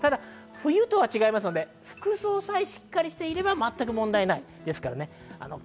冬とは違いますので服装さえしっかりしてれば全く問題ないです。